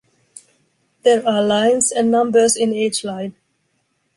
There are lines, and numbers in each line.